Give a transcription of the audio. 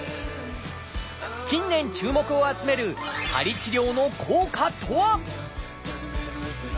近年注目を集める鍼治療の効果とは？